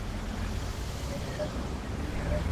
اداره له منځه ولاړه